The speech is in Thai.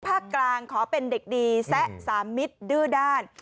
ภาคกลางขอเป็นเด็กดีแซะสามมิตรดื้อด้าน